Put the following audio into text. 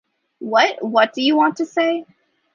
What? What do you want to say?...